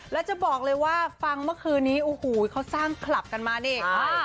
แล้วจะบอกเลยว่าฟังเมื่อคืนนี้โอ้โหเขาสร้างคลับกันมานี่